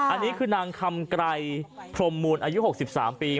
อันนี้คือนางคำไกรพรมมูลอายุ๖๓ปี